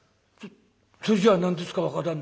「そそれじゃあ何ですか若旦那。